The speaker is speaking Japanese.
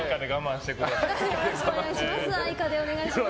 よろしくお願いします。